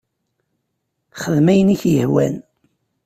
Xdem ayen i k-yehwan.